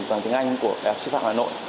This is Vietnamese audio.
bằng tiếng anh của đại học sư phạm hà nội